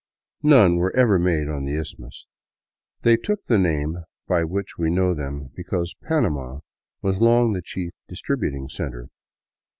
None were ever made on the Isthmus ; they took the name by which we know them because Panama was long the chief distributing center.